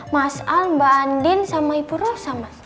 mas al mbak andin sama ibu rosa mas